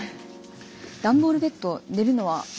段ボールベッド寝るのは。